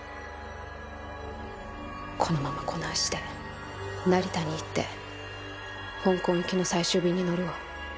このままこの足で成田に行って香港行きの最終便に乗るわ。